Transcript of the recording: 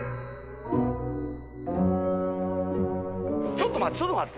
ちょっと待ってちょっと待って。